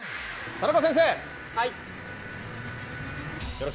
田中先生